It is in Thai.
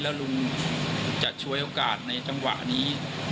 แล้วลุงจะช่วยโอกาสในจังหวะนี้